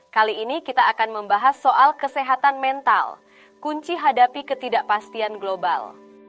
kali ini kita akan membahas soal kesehatan mental kunci hadapi ketidakpastian global